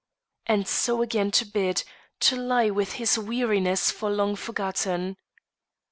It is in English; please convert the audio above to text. And so again to bed, to lie with his weariness for long forgotten.